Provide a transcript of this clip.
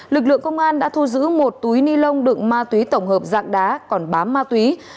lực lượng công an đã thu giữ một túi ni lông đựng ma túy tổng hợp dạng đá còn bám ma túy